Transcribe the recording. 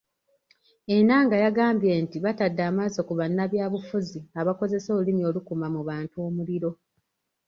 Ennanga yagambye nti batadde amaaso ku bannabyabufuzi abakozesa olulimi olukuma mu bantu omuliro .